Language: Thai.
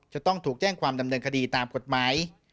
จะต้องถูกแจ้งความดำเนินคดีตามกฎหมาย